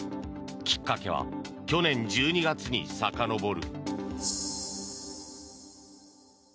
きっかけは去年１２月にさかのぼる。